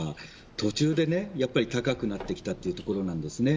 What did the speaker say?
途中で高くなってきたというところなんです。